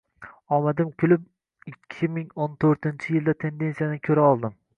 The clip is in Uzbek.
Omadim kulib, ikki ming o'n to'rtinchi yilda tendensiyani koʻra oldim